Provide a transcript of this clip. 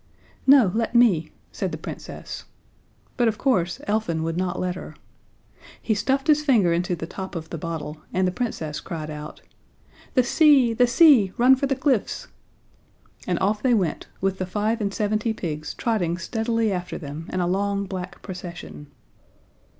"No, let me," said the Princess. But of course Elfin would not let her. He stuffed his finger into the top of the bottle, and the Princess cried out: "The sea the sea run for the cliffs!" And off they went, with the five and seventy pigs trotting steadily after them in a long black procession.